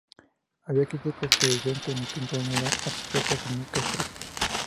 Había críticos que decían que mi pintura no era abstracta, sino extractos.